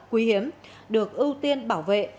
quý hiếm được ưu tiên bảo vệ